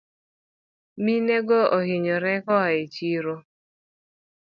Minego ohinyore koa echiro